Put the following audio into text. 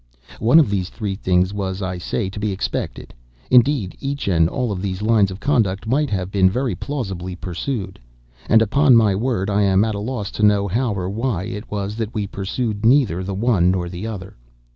One of these three things was, I say, to be expected. Indeed each and all of these lines of conduct might have been very plausibly pursued. And, upon my word, I am at a loss to know how or why it was that we pursued neither the one nor the other.